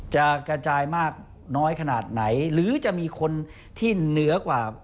จะกระจายมากน้อยขนาดไหนหรือจะมีคนที่เหนือกว่า